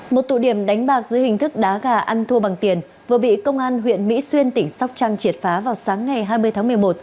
một tụ điểm đánh bạc dưới hình thức đá gà ăn thua bằng tiền vừa bị công an huyện mỹ xuyên tỉnh sóc trăng triệt phá vào sáng ngày hai mươi tháng một mươi một